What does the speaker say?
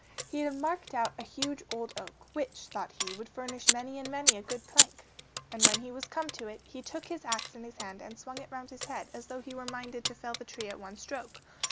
He had marked out a huge old oak, which, thought he, would furnish many and many a good plank. And when he was come to it, he took his axe in his hand and swung it round his head as though he were minded to fell the tree at one stroke.